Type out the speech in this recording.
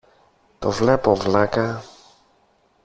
Το βλέπω, βλάκα!